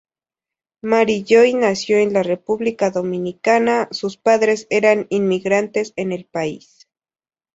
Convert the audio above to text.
Mary Joe nació en la República Dominicana; sus padres eran inmigrantes en el país.